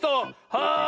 はい！